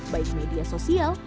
baik media sosial